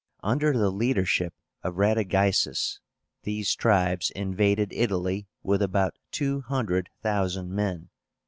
Under the leadership of RADAGAISUS, these tribes invaded Italy with about two hundred thousand men.